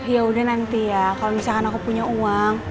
yaudah nanti ya kalo misalkan aku punya uang